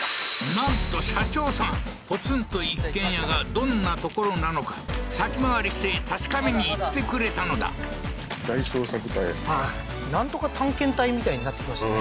なんと社長さんポツンと一軒家がどんな所なのか先回りして確かめに行ってくれたのだなんとか探検隊みたいになってきましたね